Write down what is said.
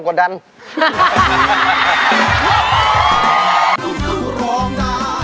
ร้องได้ให้ล้าน